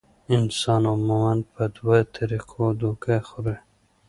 انسان عموماً پۀ دوه طريقو دوکه خوري -